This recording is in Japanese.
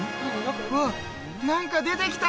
うわっなんか出てきた！